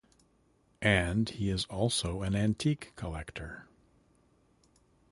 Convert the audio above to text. And he is also an antique collector.